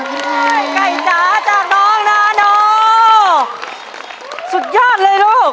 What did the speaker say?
แน็ตสุดยาตรเลยรุก